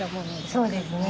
そうですね。